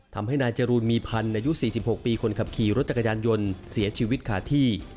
ทำให้นายจรูนมีพันธ์อายุ๔๖ปีคนขับขี่รถจักรยานยนต์เสียชีวิตขาดที่